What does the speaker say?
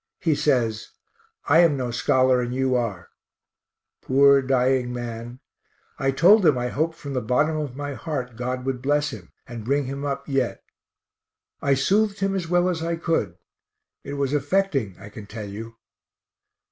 He says, I am no scholar and you are poor dying man, I told him I hoped from the bottom of my heart God would bless him, and bring him up yet. I soothed him as well as I could; it was affecting, I can tell you.